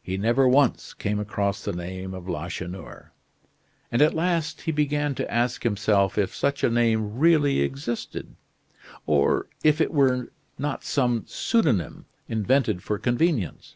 He never once came across the name of Lacheneur; and at last he began to ask himself if such a name really existed, or if it were not some pseudonym invented for convenience.